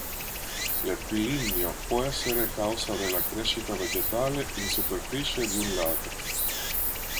L'epilimnio può essere causa della crescita vegetale in superficie di un lago.